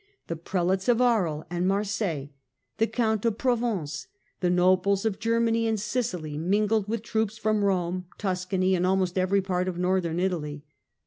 The Prelates of Aries and Marseilles, the Count of Provence, the nobles of Germany and Sicily, mingled with troops from Rome, Tuscany and almost every part of Northern Italy.